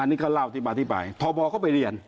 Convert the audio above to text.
อันนี้ก็เล่าที่มาที่ไปทบเข้าไปเรียน